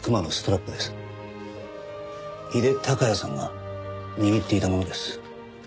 井手孝也さんが握っていたものです。